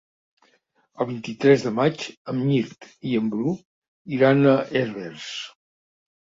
El vint-i-tres de maig en Mirt i en Bru iran a Herbers.